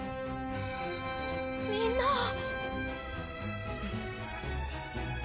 みんな。